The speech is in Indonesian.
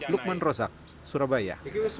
lukman rozak surabaya